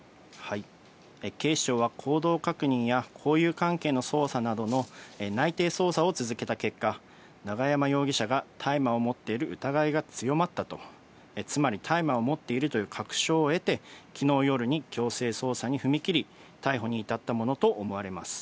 警視庁は行動確認や、交友関係の捜査などの内偵捜査を続けた結果、永山容疑者が大麻を持っている疑いが強まったと、つまり大麻を持っているという確証を得て、きのう夜に強制捜査に踏み切り、逮捕に至ったものと思われます。